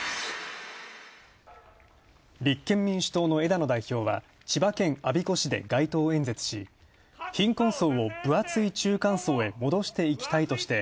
立憲民主党の枝野代表は、千葉県、我孫子市で街頭演説し、貧困層を分厚い中間層へ戻していきたいとして。